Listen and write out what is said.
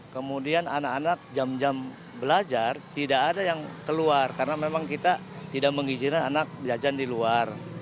kemudian anak anak jam jam belajar tidak ada yang keluar karena memang kita tidak mengizinkan anak belajar di luar